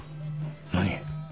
何？